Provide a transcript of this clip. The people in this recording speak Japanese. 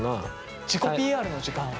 自己ＰＲの時間を。